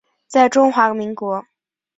在中华民国。